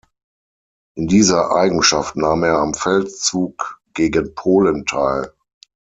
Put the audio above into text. In dieser Eigenschaft nahm er am Feldzug gegen Polen teil.